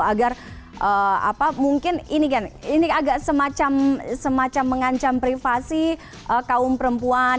agar mungkin ini kan ini agak semacam mengancam privasi kaum perempuan